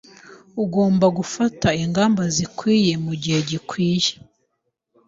Ugomba gufata ingamba zikwiye mugihe gikwiye.